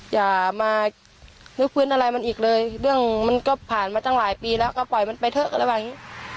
อย่ามาลื้อฟื้นอะไรมันอีกเลยเรื่องมันก็ผ่านมาตั้งหลายปีแล้วก็ปล่อยมันไปเถอะอะไรแบบนี้